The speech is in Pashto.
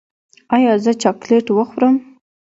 ایا زه چاکلیټ وخورم؟